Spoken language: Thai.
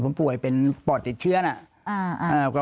ผมป่วยเป็นปอดติดเชื้อนะ